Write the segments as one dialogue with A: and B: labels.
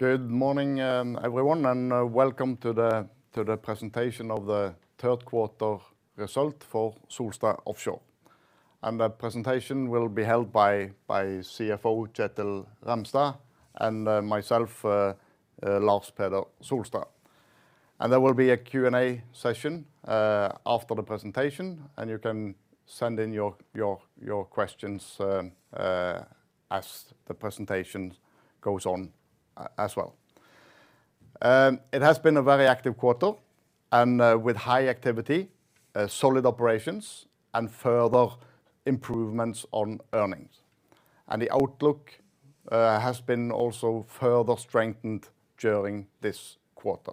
A: Good morning everyone and welcome to the presentation of the third quarter result for Solstad Offshore. The presentation will be held by CFO Kjetil Ramstad and myself, Lars Peder Solstad. There will be a Q&A session after the presentation, and you can send in your questions as the presentation goes on as well. It has been a very active quarter and with high activity, solid operations, and further improvements on earnings. The outlook has been also further strengthened during this quarter.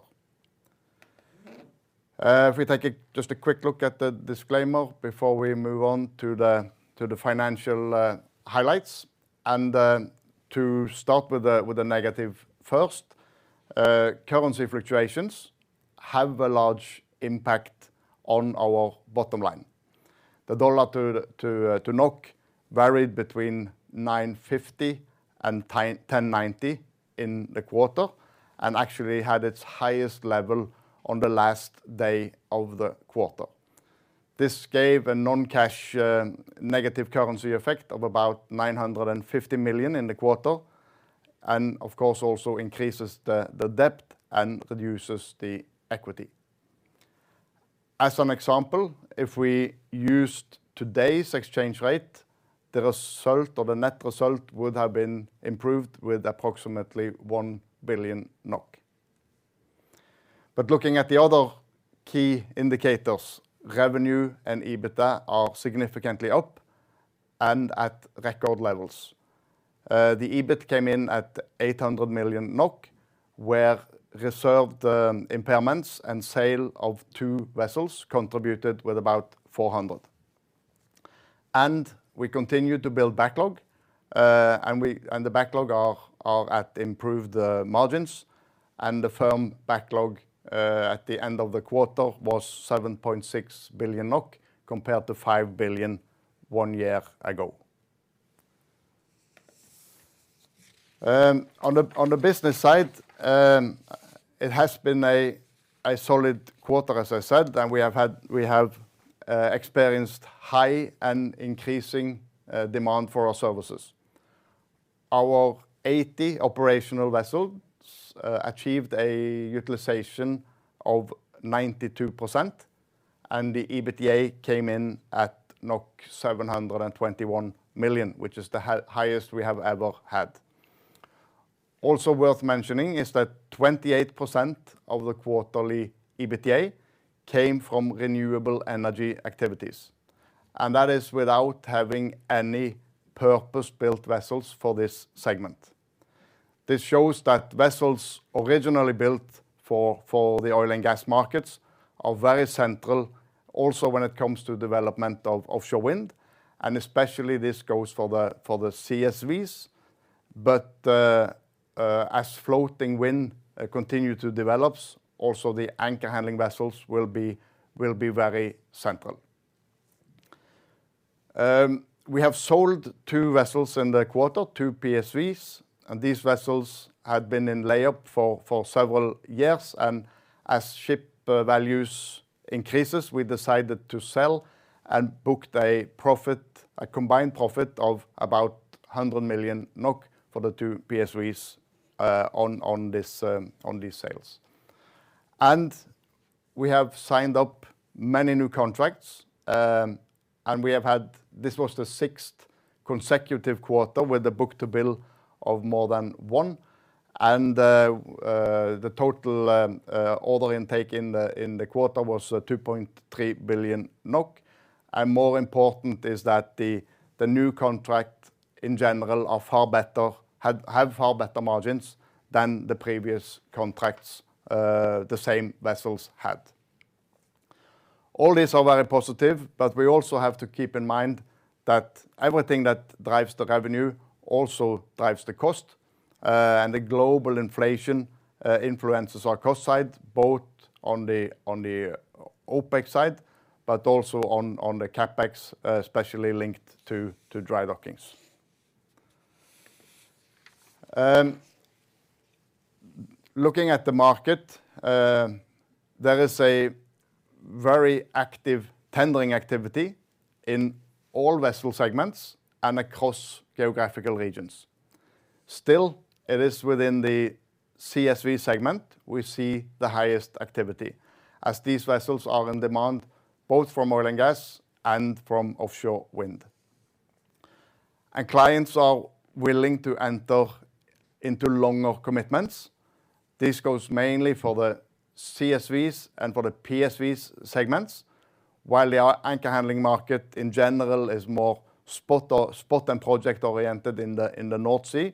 A: If we take just a quick look at the disclaimer before we move on to the financial highlights, to start with the negative first, currency fluctuations have a large impact on our bottom line. The U.S. dollar to NOK varied between 9.50 and 10.90 in the quarter and actually had its highest level on the last day of the quarter. This gave a non-cash negative currency effect of about 950 million in the quarter and of course also increases the debt and reduces the equity. As an example, if we used today's exchange rate, the result or the net result would have been improved with approximately 1 billion NOK. Looking at the other key indicators, revenue and EBITDA are significantly up and at record levels. The EBIT came in at 800 million NOK, where reversed impairments and sale of two vessels contributed with about 400. We continued to build backlog, and the backlog are at improved margins, and the firm backlog at the end of the quarter was 7.6 billion NOK compared to 5 billion one year ago. On the business side, it has been a solid quarter, as I said, and we have experienced high and increasing demand for our services. Our 80 operational vessels achieved a utilization of 92%, and the EBITDA came in at 721 million, which is the highest we have ever had. Also worth mentioning is that 28% of the quarterly EBITDA came from renewable energy activities, and that is without having any purpose-built vessels for this segment. This shows that vessels originally built for the oil and gas markets are very central also when it comes to development of offshore wind. Especially this goes for the CSVs. As floating wind continue to develops, also the anchor handling vessels will be very central. We have sold two vessels in the quarter, two PSVs. These vessels had been in layup for several years. As ship values increases, we decided to sell and booked a profit, a combined profit of about 100 million NOK for the two PSVs on these sales. We have signed up many new contracts. This was the sixth consecutive quarter with the book-to-bill of more than one, and the total order intake in the quarter was 2.3 billion NOK. More important is that the new contract in general are far better, have far better margins than the previous contracts the same vessels had. All these are very positive, but we also have to keep in mind that everything that drives the revenue also drives the cost, and the global inflation influences our cost side, both on the OpEx side, but also on the CapEx, especially linked to dry dockings. Looking at the market, there is a very active tendering activity in all vessel segments and across geographical regions. Still, it is within the CSV segment we see the highest activity, as these vessels are in demand both from oil and gas and from offshore wind. Clients are willing to enter into longer commitments. This goes mainly for the CSVs and for the PSVs segments. While the anchor handling market in general is more spot and project-oriented in the North Sea,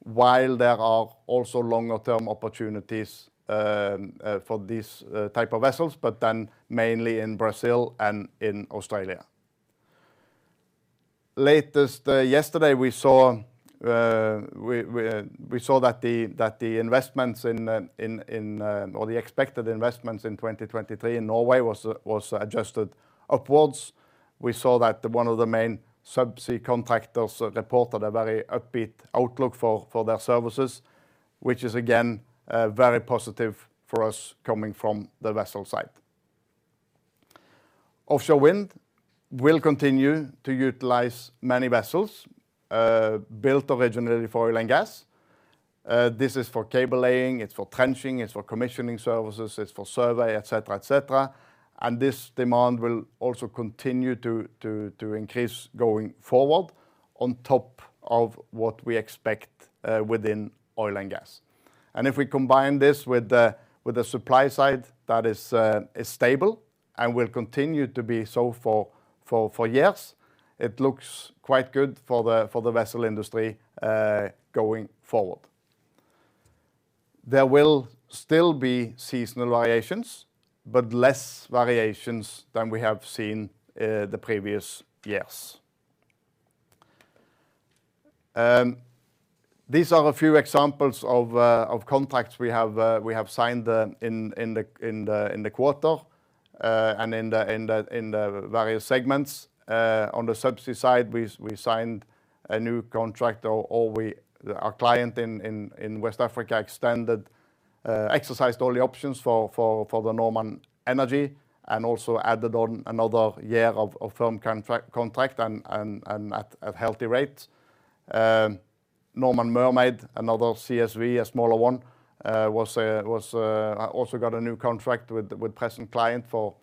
A: while there are also longer-term opportunities for these type of vessels, but then mainly in Brazil and in Australia. Latest yesterday we saw that the investments in or the expected investments in 2023 in Norway was adjusted upwards. We saw that one of the main subsea contractors reported a very upbeat outlook for their services. Which is again very positive for us coming from the vessel side. Offshore wind will continue to utilize many vessels built originally for oil and gas. This is for cable laying, it's for trenching, it's for commissioning services, it's for survey, et cetera, et cetera. This demand will also continue to increase going forward on top of what we expect within oil and gas. If we combine this with the supply side that is stable and will continue to be so for years, it looks quite good for the vessel industry going forward. There will still be seasonal variations, but less variations than we have seen the previous years. Um, these are a few examples of, uh, of contracts we have, uh, we have signed the, in the, in the, in the quarter, uh, and in the, in the, in the various segments. Uh, on the subsea side, we signed a new contract or we-- our client in, in West Africa extended, uh, exercised all the options for, for the Normand Energy and also added on another year of firm contract and, and at healthy rates. Um, Normand Mermaid, another CSV, a smaller one, uh, was, uh, was, uh, also got a new contract with present client for,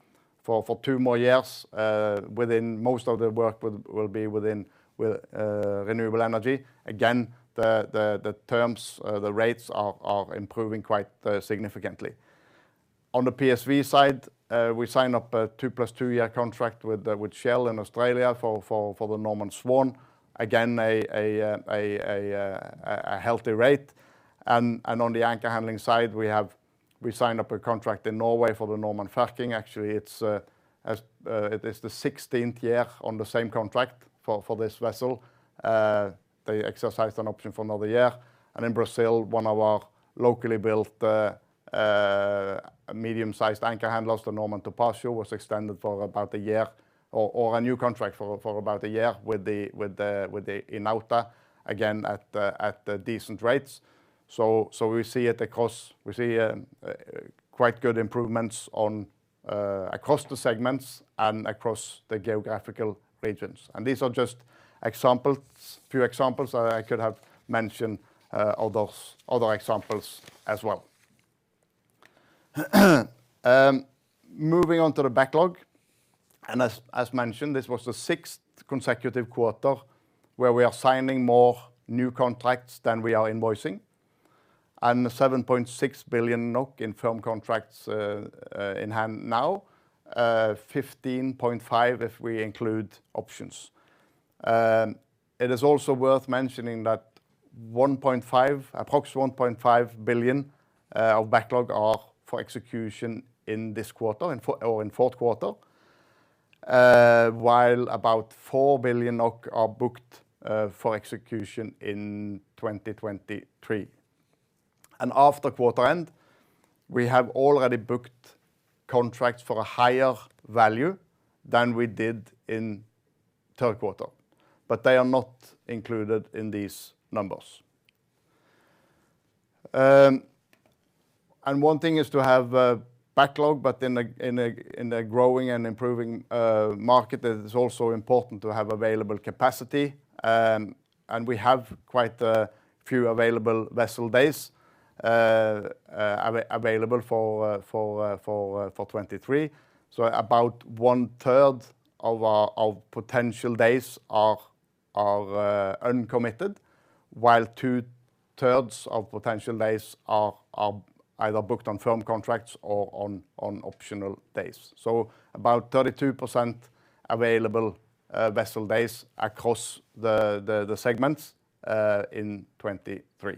A: for two more years. Uh, within most of the work will be within, with, uh, renewable energy. Again, the, the terms, uh, the rates are improving quite, uh, significantly. On the PSV side, we signed up a 2+2-year contract with Shell in Australia for the Normand Swan. Again, a healthy rate. On the anchor handling side, we signed up a contract in Norway for the Normand Falchion. Actually it is the 16th year on the same contract for this vessel. They exercised an option for another year. In Brazil, one of our locally built medium-sized anchor handlers, the Normand Topazio, was extended for about a year or a new contract for about a year with the Enauta, again, at decent rates. We see quite good improvements across the segments and across the geographical regions. These are just examples, few examples. I could have mentioned other examples as well. Moving on to the backlog. As mentioned, this was the sixth consecutive quarter where we are signing more new contracts than we are invoicing. The 7.6 billion NOK in firm contracts in hand now, 15.5 if we include options. It is also worth mentioning that approximately 1.5 billion of backlog are for execution in this quarter, in fourth quarter, while about 4 billion are booked for execution in 2023. After quarter end, we have already booked contracts for a higher value than we did in third quarter, but they are not included in these numbers. One thing is to have a backlog, but in a growing and improving market, it is also important to have available capacity. We have quite a few available vessel days available for 2023. About 1/3 of potential days are uncommitted, while 2/3 of potential days are either booked on firm contracts or on optional days. About 32% available vessel days across the segments in 2023.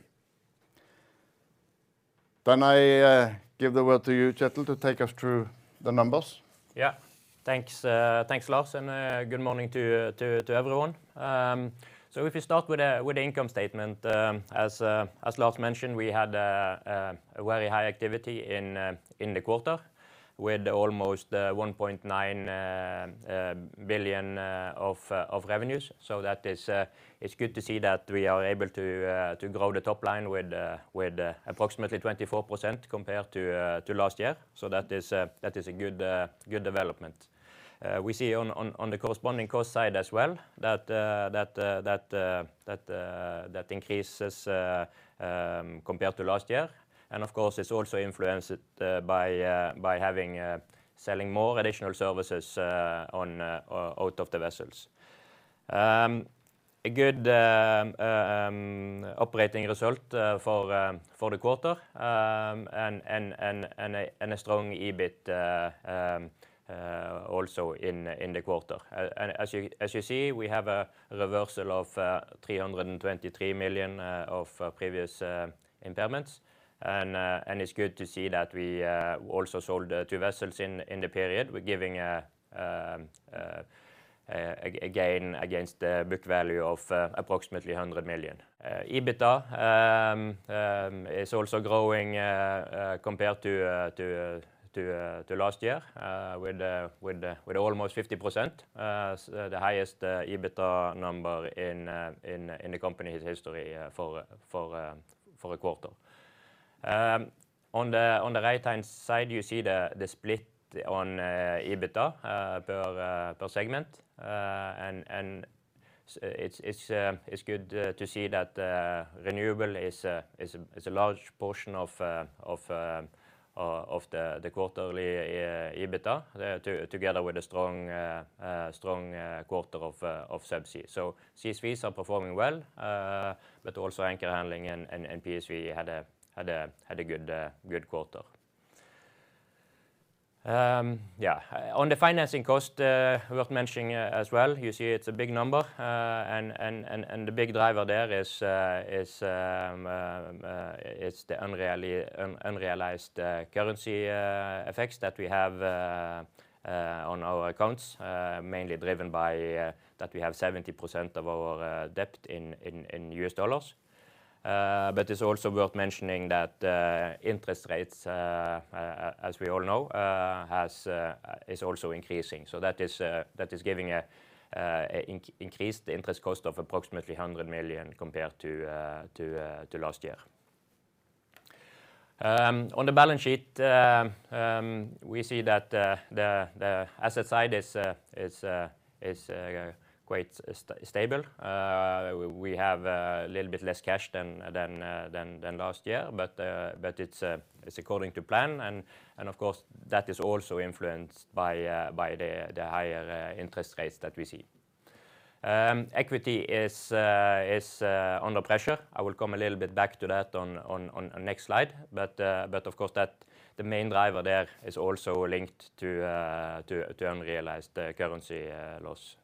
A: I give the word to you, Kjetil, to take us through the numbers.
B: Thanks, Lars, and good morning to everyone. If you start with the income statement, as Lars mentioned, we had a very high activity in the quarter with almost 1.9 billion of revenues. It's good to see that we are able to grow the top line with approximately 24% compared to last year. That is a good development. We see on the corresponding cost side as well that increases compared to last year. Of course, it's also influenced by selling more additional services out of the vessels. A good operating result for the quarter. A strong EBIT also in the quarter. As you see, we have a reversal of 323 million of previous impairments. It's good to see that we also sold two vessels in the period. We're giving a gain against the book value of approximately 100 million. EBITDA is also growing compared to last year with almost 50%, the highest EBITDA number in the company's history for a quarter. On the right-hand side you see the split on EBITDA per segment. It's good to see that renewable is a large portion of the quarterly EBITDA together with a strong quarter of subsea. CSVs are performing well, but also anchor handling and PSV had a good quarter. Yeah. On the financing cost, worth mentioning as well, you see it's a big number. The big driver there is the unrealized currency effects that we have on our accounts, mainly driven by that we have 70% of our debt in U.S. dollars. It's also worth mentioning that interest rates, as we all know, is also increasing. That is giving an increased interest cost of approximately 100 million compared to last year. On the balance sheet, we see that the asset side is quite stable. We have a little bit less cash than last year, but it's according to plan and of course that is also influenced by the higher interest rates that we see. Equity is under pressure. I will come a little bit back to that on next slide. Of course that the main driver there is also linked to unrealized currency loss.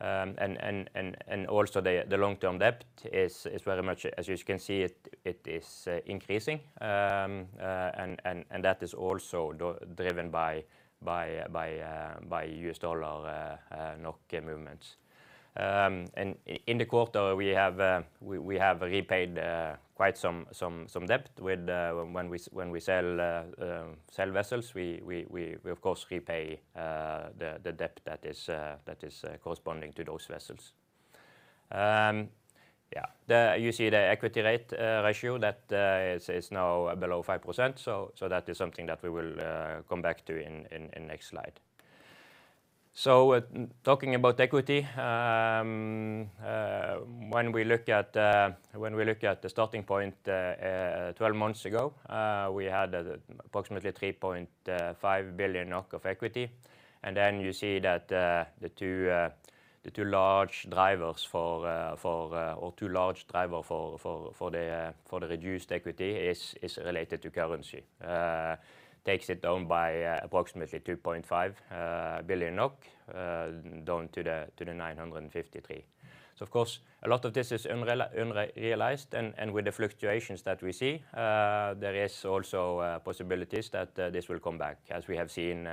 B: Also the long-term debt is very much as you can see it is increasing. That is also driven by U.S. dollar NOK movements. In the quarter we have repaid quite some debt. When we sell vessels, we of course repay the debt that is corresponding to those vessels. Yeah. You see the equity ratio that is now below 5%. That is something that we will come back to in next slide. Talking about equity, when we look at the starting point 12 months ago, we had approximately 3.5 billion of equity, and then you see that the two large drivers for the reduced equity is related to currency. Takes it down by approximately 2.5 billion NOK, down to the 953. Of course, a lot of this is unrealized and with the fluctuations that we see, there is also possibilities that this will come back as we have seen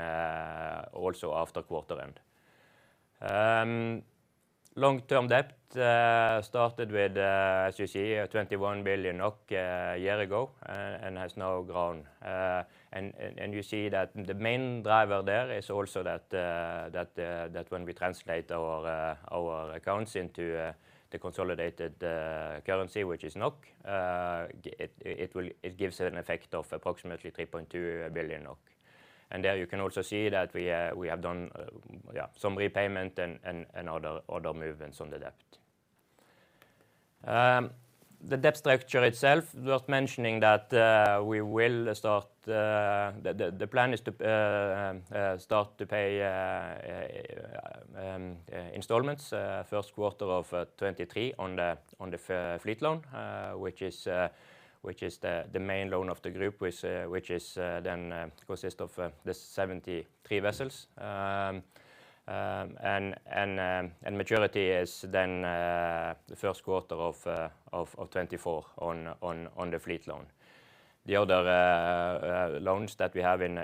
B: also after quarter end. Long-term debt started with, as you see, a 21 billion NOK a year ago and has now grown. You see that the main driver there is also that when we translate our accounts into the consolidated currency which is NOK, it gives an effect of approximately 3.2 billion NOK. There you can also see that we have done, yeah, some repayment and other movements on the debt. The debt structure itself worth mentioning that the plan is to start to pay installments first quarter of 2023 on the fleet loan, which is the main loan of the group, which is then consist of the 73 vessels. Maturity is then the first quarter of 2024 on the fleet loan. The other loans that we have in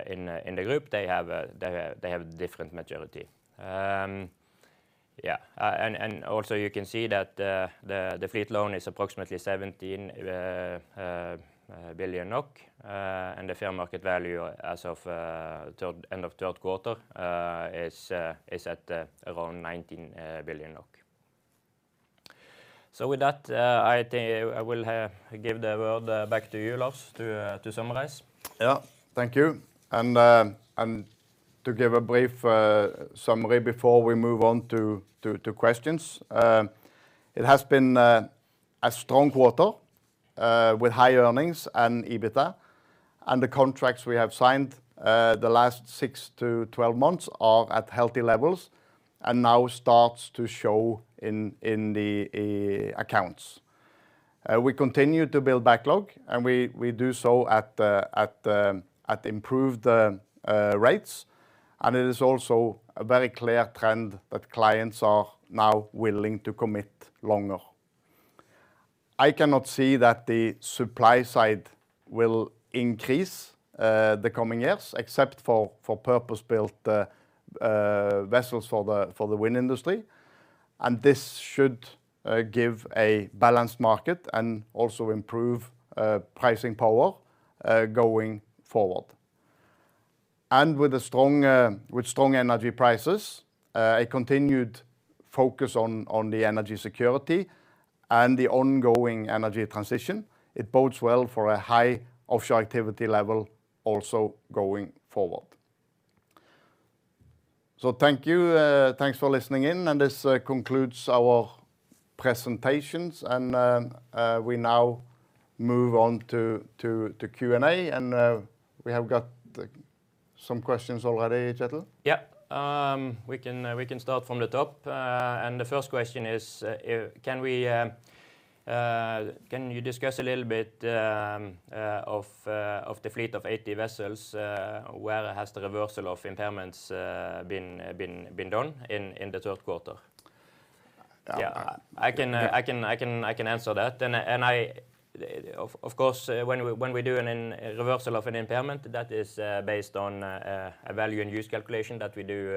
B: the group, they have different maturity. Yeah. Also you can see that the fleet loan is approximately 17 billion NOK and the fair market value as of end of third quarter is at around 19 billion. With that, I think I will give the word back to you, Lars, to summarize.
A: Yeah. Thank you. To give a brief summary before we move on to questions. It has been a strong quarter with high earnings and EBITDA, and the contracts we have signed the last 6-12 months are at healthy levels and now starts to show in the accounts. We continue to build backlog, and we do so at improved rates. It is also a very clear trend that clients are now willing to commit longer. I cannot see that the supply side will increase the coming years except for purpose-built vessels for the wind industry. This should give a balanced market and also improve pricing power going forward. With strong energy prices, a continued focus on the energy security and the ongoing energy transition, it bodes well for a high offshore activity level also going forward. Thank you, thanks for listening in and this concludes our presentations. We now move on to Q&A, and we have got some questions already, Kjetil.
B: Yeah, we can start from the top. The first question is, can you discuss a little bit of the fleet of 80 vessels? Where has the reversal of impairments been done in the third quarter?
A: Yeah.
B: I can answer that. Of course, when we do a reversal of an impairment, that is based on a value-in-use calculation that we do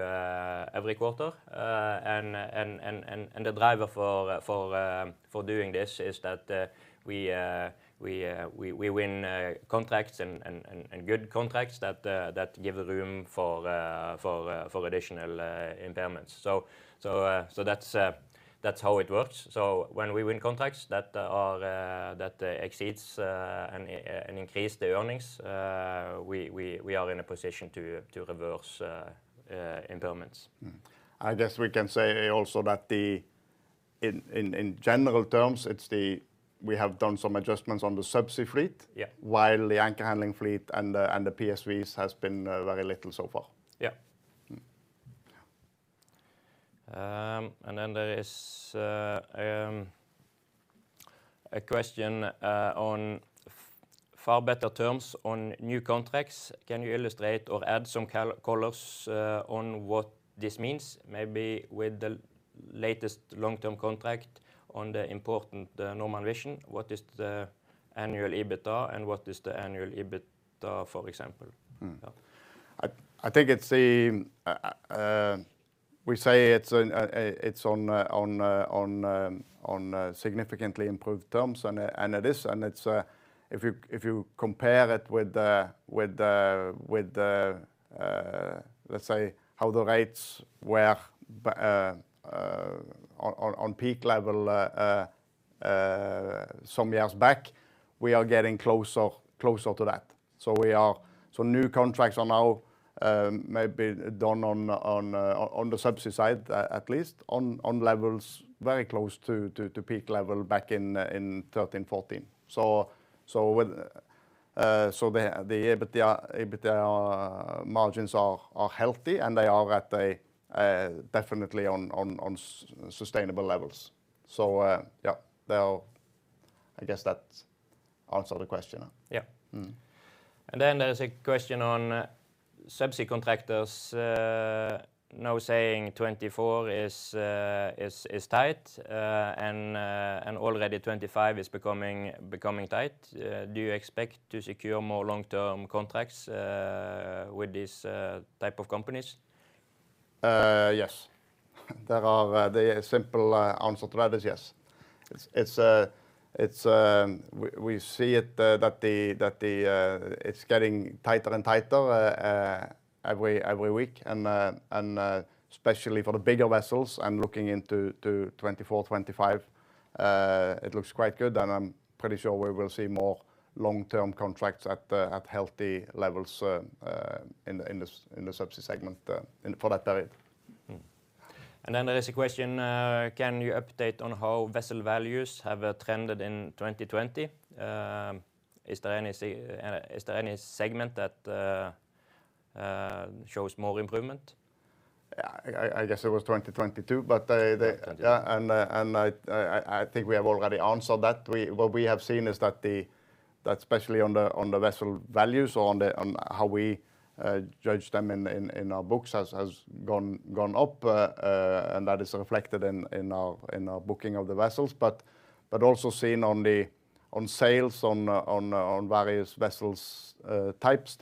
B: every quarter. The driver for doing this is that we win contracts and good contracts that give room for additional impairments. That's how it works. When we win contracts that exceeds increase the earnings, we are in a position to reverse impairments.
A: I guess we can say also that in general terms, we have done some adjustments on the subsea fleet.
B: Yeah.
A: While the anchor handling fleet and the, and the PSVs has been, uh, very little so far.
B: Yeah.
A: Yeah.
B: There is a question on far better terms on new contracts. Can you illustrate or add some colors on what this means? Maybe with the latest long-term contract on the important Normand Vision, what is the annual EBITDA, for example?
A: Mm.
B: Yeah.
A: I think we say it's on significantly improved terms and it is. It's, if you compare it with the, let's say, how the rates were on peak level some years back, we are getting closer to that. New contracts are now maybe done on the subsea side, at least, on levels very close to peak level back in 2013, 2014. The EBITDA margins are healthy, and they are definitely on sustainable levels. Yeah, I guess that answered the question.
B: Yeah.
A: Mm.
B: There's a question on subsea contractors now saying 2024 is tight and already 2025 is becoming tight. Do you expect to secure more long-term contracts with these type of companies?
A: Yes. The simple answer to that is yes. We see it that it's getting tighter and tighter every week and especially for the bigger vessels, and looking into 2024-2025, it looks quite good. I'm pretty sure we will see more long-term contracts at healthy levels in the subsea segment for that period.
B: There is a question, can you update on how vessel values have trended in 2020? Is there any segment that shows more improvement?
A: Yeah. I guess it was 2022.
B: 2022.
A: Yeah, I think we have already answered that. What we have seen is that especially on the vessel values or on how we judge them in our books has gone up. That is reflected in our booking of the vessels. Also seen on sales on various vessels types.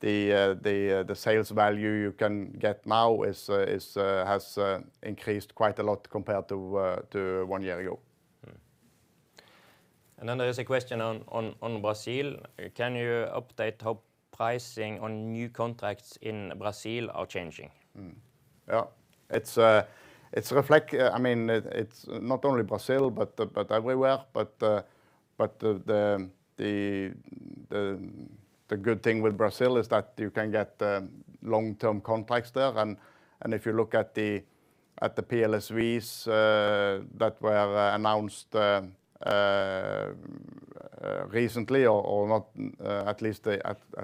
A: The sales value you can get now has increased quite a lot compared to one year ago.
B: There is a question on Brazil. Can you update how pricing on new contracts in Brazil are changing?
A: Yeah. I mean, it's not only Brazil but everywhere. The good thing with Brazil is that you can get long-term contracts there, and if you look at the PLSVs that were announced recently or not, at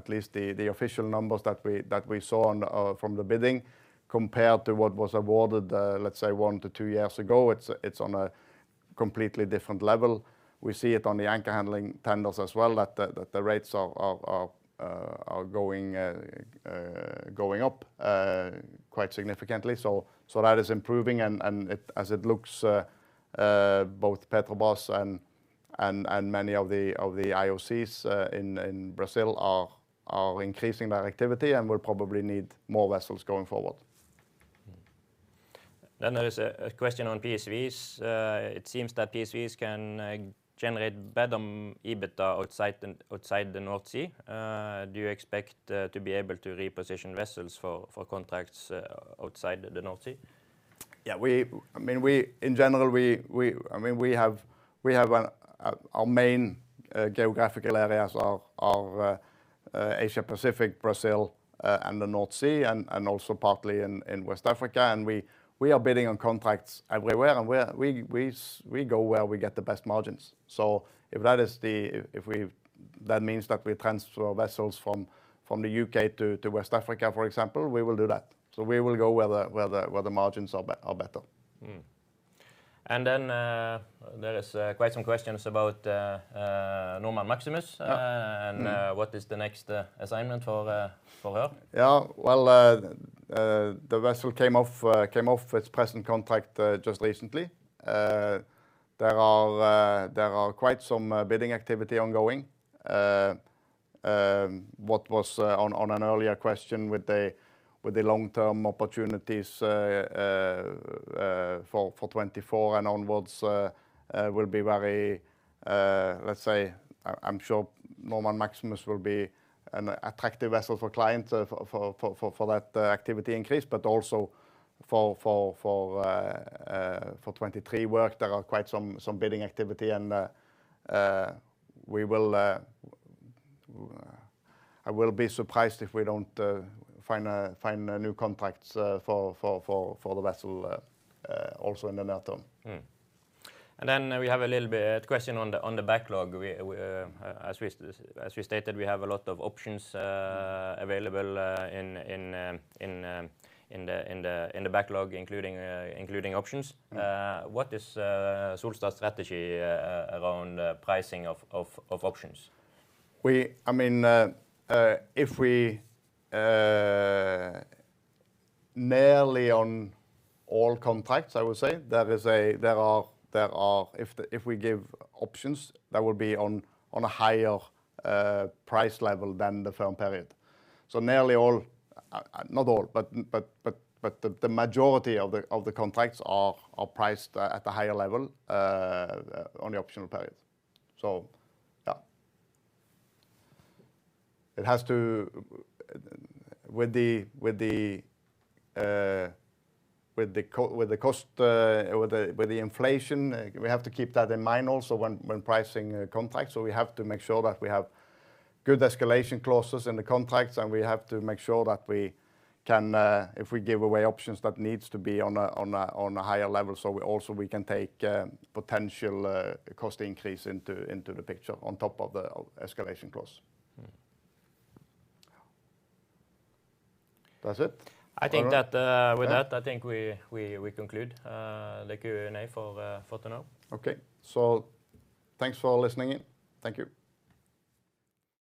A: least the official numbers that we saw from the bidding compared to what was awarded, let's say, one to two years ago, it's on a completely different level. We see it on the anchor handling tenders as well that the rates are going up quite significantly. That is improving and, as it looks, both Petrobras and many of the IOCs in Brazil are increasing their activity and will probably need more vessels going forward.
B: There is a question on PSVs. It seems that PSVs can generate better EBITDA outside the North Sea. Do you expect to be able to reposition vessels for contracts outside of the North Sea?
A: Yeah. I mean, in general, our main geographical areas are Asia-Pacific, Brazil, and the North Sea and also partly in West Africa. We are bidding on contracts everywhere. We go where we get the best margins. If that means that we transfer our vessels from the U.K. to West Africa, for example, we will do that. We will go where the margins are better.
B: There is quite some questions about Normand Maximus.
A: Yeah.
B: What is the next assignment for her?
A: Yeah. Well, the vessel came off its present contract just recently. There are quite some bidding activity ongoing. What was on an earlier question with the long-term opportunities for 2024 and onwards will be very. Let's say I'm sure Normand Maximus will be an attractive vessel for clients for that activity increase. Also for 2023 work there are quite some bidding activity. I will be surprised if we don't find a new contracts for the vessel also in the near term.
B: We have a little bit question on the backlog. As we stated, we have a lot of options available in the backlog, including options.
A: Mm.
B: What is Solstad strategy around pricing of options?
A: I mean, nearly on all contracts, I would say, there are. If we give options, that would be on a higher price level than the firm period. Nearly all, not all, but the majority of the contracts are priced at the higher level on the optional periods. Yeah, with the cost or with the inflation, we have to keep that in mind also when pricing a contract. We have to make sure that we have good escalation clauses in the contracts, and we have to make sure that we can. If we give away options, that needs to be on a higher level, so we also can take potential cost increase into the picture on top of the escalation clause.
B: Mm.
A: Yeah. That's it for now.
B: I think that.
A: Yeah
B: With that, I think we conclude the Q&A for today.
A: Okay. Thanks for listening in. Thank you.